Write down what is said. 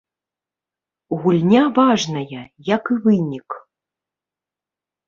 Гульня важная, як і вынік.